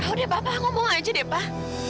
udah bapak ngomong aja deh pak